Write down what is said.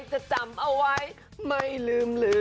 จะจำเอาไว้ไม่ลืมลืม